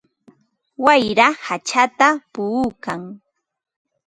Wayra hachata puukan.